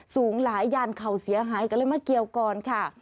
สูงหลายยานเข่าเสียหายกันเลยมาเกี่ยวก่อนค่ะ